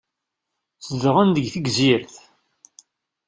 Zedɣen deg Tegzirt?